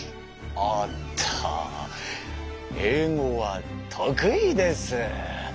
おっと英語は得意です。